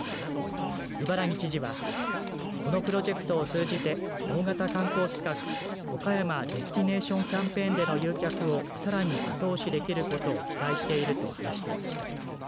伊原木知事はこのプロジェクトを通じて大型観光企画岡山ディスティネーションキャンペーンでの誘客をさらに後押しできることを期待していると話していました。